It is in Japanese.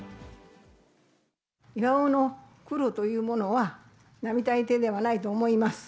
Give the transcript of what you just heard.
巌の苦労というものは、並大抵ではないと思います。